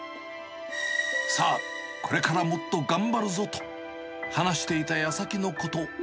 さあ、これからもっと頑張るぞと、話していたやさきのこと。